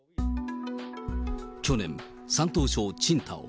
去年、山東町青島。